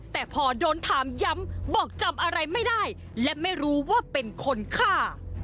แต่พอโดนถามย้ำบอกจำอะไรไม่ได้และไม่รู้ว่าเป็นคนฆ่า